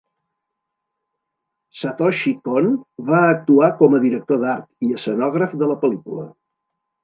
Satoshi Kon va actuar com a director d'art i escenògraf de la pel·lícula.